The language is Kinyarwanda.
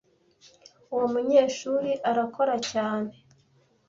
Uwo munyeshuri arakora cyane.